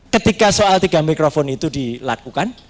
ketika soal tiga mikrofon itu dilakukan